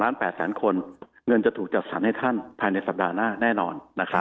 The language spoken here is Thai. ๘แสนคนเงินจะถูกจัดสรรให้ท่านภายในสัปดาห์หน้าแน่นอน